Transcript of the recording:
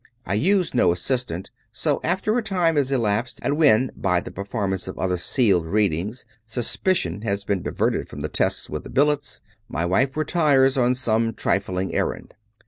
I use no assistant; so after a time has elapsed, and when by the performance of other sealed readings, sus picion has been diverted from the tests with the billets, my wife retires on some trifling errand.